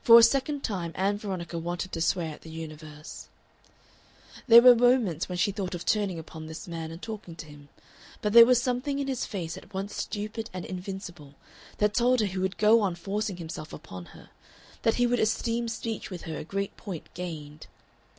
For a second time Ann Veronica wanted to swear at the universe. There were moments when she thought of turning upon this man and talking to him. But there was something in his face at once stupid and invincible that told her he would go on forcing himself upon her, that he would esteem speech with her a great point gained.